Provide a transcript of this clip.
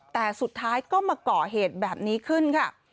แต่สุดท้ายก็มาก่อเหตุแบบนี้ขึ้นค่ะ